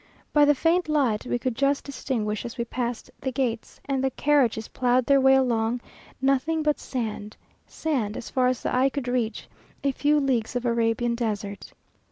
By the faint light, we could just distinguish as we passed the gates, and the carriages ploughed their way along nothing but sand sand as far as the eye could reach; a few leagues of Arabian desert.